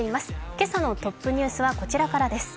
今朝のトップニュースはこちらからです。